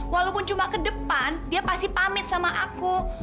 walaupun cuma ke depan dia pasti pamit sama aku